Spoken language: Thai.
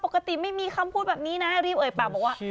ปกติไม่มีคำพูดแบบนี้นะรีบเอ่ยปากบอกว่า